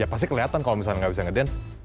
ya pasti kelihatan kalau misalnya nggak bisa ngedance